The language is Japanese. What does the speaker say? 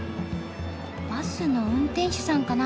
バスの運転手さんかな？